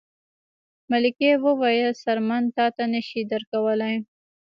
ملکې وویل څرمن تاته نه شي درکولی.